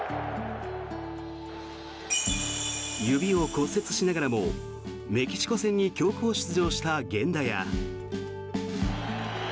指を骨折しながらもメキシコ戦に強行出場した源田や。